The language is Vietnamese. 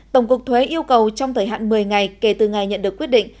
tổng cục thuế yêu cầu trong thời hạn một mươi ngày kể từ ngày nhận được quyết định